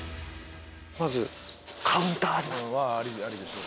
まずカウンターあります。